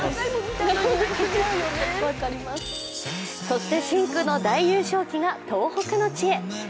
そして深紅の大優勝旗が東北の地へ。